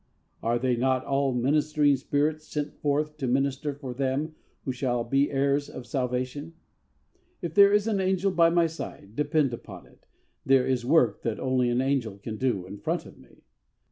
'Are they not all ministering spirits, sent forth to minister for them who shall be heirs of salvation?' If there is an angel by my side, depend upon it, there is work that only an angel can do in front of me.